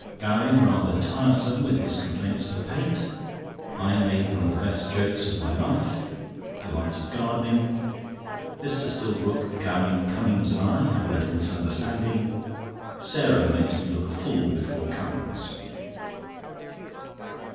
Gowing rather tiresome with his complaints of the paint. I make one of the best jokes of my life. Delights of Gardening. Mr. Stillbrook, Gowing, Cummings, and I have a little misunderstanding. Sarah makes me look a fool before Cummings.